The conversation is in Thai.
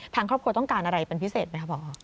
ทางครอบครัวต้องการอะไรเป็นพิเศษไหมคะพ่อ